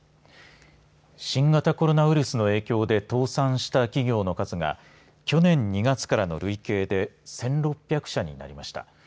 新型コロナウイルスの影響で倒産した企業の数が去年２月からの累計で１６００社になりました。